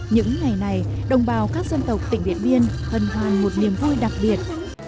những ngày này đồng bào các dân tộc tỉnh điện biên hân hoàn một niềm vui đặc biệt